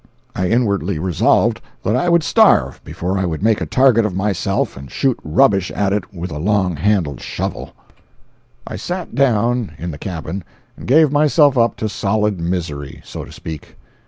I inwardly resolved that I would starve before I would make a target of myself and shoot rubbish at it with a long handled shovel. 294.jpg (50K) I sat down, in the cabin, and gave myself up to solid misery—so to speak.